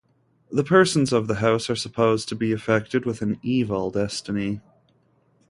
The persons of the house are supposed to be affected with an evil destiny.